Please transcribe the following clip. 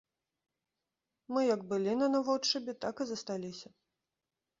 Мы як былі на наводшыбе, так і засталіся.